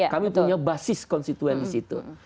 kami punya basis konstituen di situ